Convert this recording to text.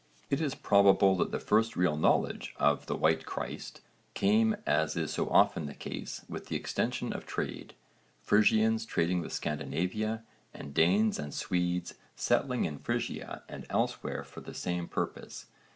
It is probable that the first real knowledge of 'the white Christ' came, as is so often the case, with the extension of trade Frisians trading with Scandinavia, and Danes and Swedes settling in Frisia and elsewhere for the same purpose.